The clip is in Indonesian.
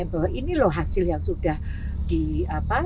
bahwa ini loh hasil yang sudah di apa